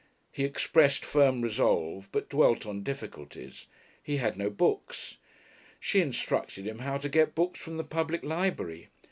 He expressed firm resolve, but dwelt on difficulties. He had no books. She instructed him how to get books from the public library.